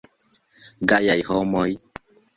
Gajaj homoj.